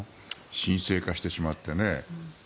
神聖化してしまってね。